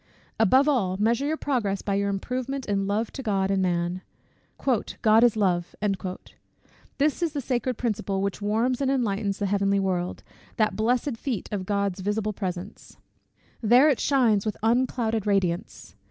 Above all, measure your progress by your improvement in love to God and man. "God is Love." This is the sacred principle, which warms and enlightens the heavenly world, that blessed feat of God's visible presence. There it shines with unclouded radiance.